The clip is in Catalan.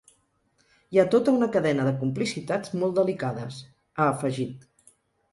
Hi ha tota una cadena de complicitats molt delicades, ha afegit.